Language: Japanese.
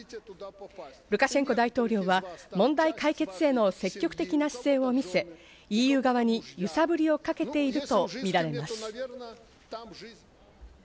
ルカシェンコ大統領は問題解決への積極的な姿勢を見せ、ＥＵ側に揺さぶりをかけているとみられます。